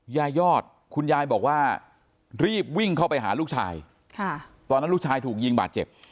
ยายอดคุณยายบอกว่ารีบวิ่งเข้าไปหาลูกชายตอนนั้นลูกชายถูกยิงบาดเจ็บ